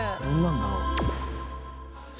「どんなんだろう？」